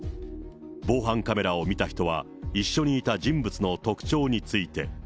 防犯カメラを見た人は、一緒にいた人物の特徴について。